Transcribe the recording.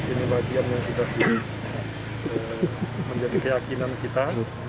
ini bagian yang sudah menjadi keyakinan kita